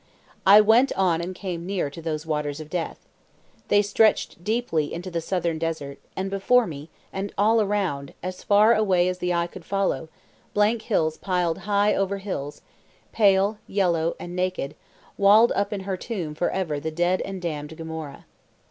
I went on and came near to those waters of death. They stretched deeply into the southern desert, and before me, and all around, as far away as the eye could follow, blank hills piled high over hills, pale, yellow, and naked, walled up in her tomb for ever the dead and damned Gomorrah.